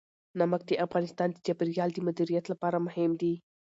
نمک د افغانستان د چاپیریال د مدیریت لپاره مهم دي.